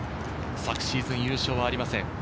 昨シーズン、優勝はありません。